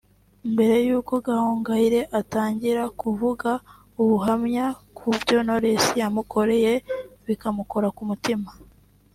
Mbere y’uko Gahongayire atangira kuvuga ubuhamya ku byo Knowless yamukoreye bikamukora ku mutima